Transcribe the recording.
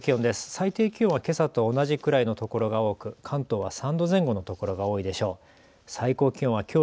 最低気温はけさと同じくらいのところが多く、関東は３度前後のところが多いでしょう。